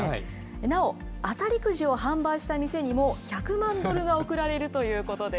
なお、当たりくじを販売した店にも、１００万ドルが贈られるということです。